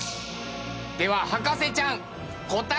では博士ちゃん。